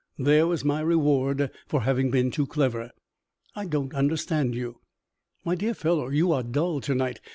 There was my reward for having been too clever!" "I don't understand you." "My dear fellow, you are dull to night.